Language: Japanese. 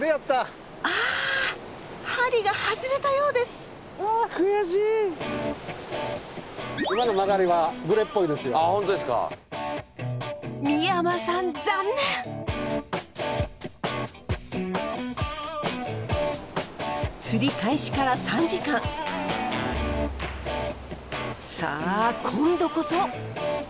さあ今度こそ！